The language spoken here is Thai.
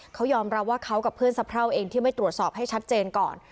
เขายอมรับว่าเขากับเพื่อนสะเพราเองที่ไม่ตรวจสอบให้ชัดเจนก่อน